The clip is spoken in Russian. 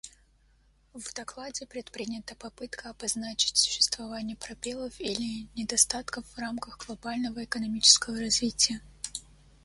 В докладе предпринята попытка обозначить существование пробелов или недостатков в рамках глобального экономического развития.